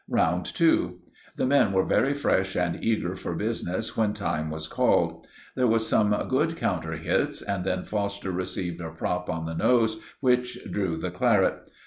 "Round 2.—The men were very fresh and eager for business when time was called. There was some good counter hits, and then Foster received a prop on the nose which drew the claret.